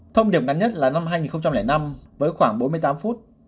thông điệp ngắn nhất là năm hai nghìn năm với khoảng bốn mươi tám phút